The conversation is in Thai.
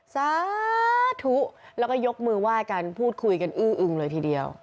สาธุแล้วก็ยกมือไหว้กันพูดคุยกันอื้ออึงเลยทีเดียว